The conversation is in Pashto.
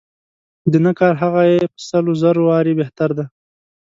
د نه کار هغه یې په سل و زر واره بهتر دی.